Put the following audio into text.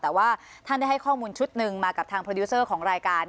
แต่ว่าท่านได้ให้ข้อมูลชุดหนึ่งมากับทางโปรดิวเซอร์ของรายการ